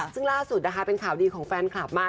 ซึ่งล่าสุดนะคะเป็นข่าวดีของแฟนคลับมา